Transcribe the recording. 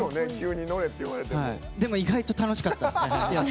でも、意外と楽しかったです。